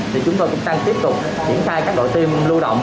thì chúng tôi cũng đang tiếp tục diễn thai các đội tiêm lưu động